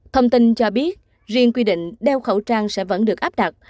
thông tin cho biết riêng quy định đeo khẩu trang sẽ vẫn được áp đặt